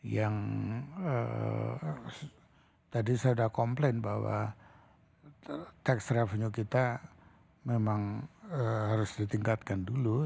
yang tadi saya sudah komplain bahwa tax revenue kita memang harus ditingkatkan dulu